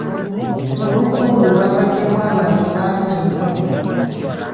Olukwe olwo lwabaddemu abantu bangi nnyo.